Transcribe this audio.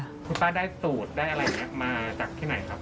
คุณป้าได้สูตรได้อะไรอย่างนี้มาจากที่ไหนครับ